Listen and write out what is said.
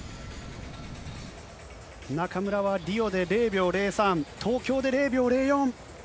中村はリオで０秒０３、東京で０秒０４。